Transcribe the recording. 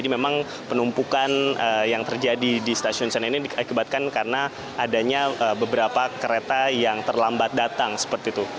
memang penumpukan yang terjadi di stasiun senen ini diakibatkan karena adanya beberapa kereta yang terlambat datang seperti itu